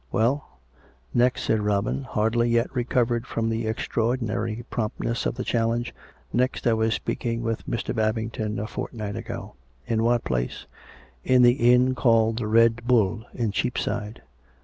Well.'' "" Next," said Robin, hardly yet recovered from the ex traordinary promptness of the challenge —" Next, I was speaking with Mr. Babington a fortnight ago." " In what place.'* "" In the inn called the ' Red Bull,' in Cheapside."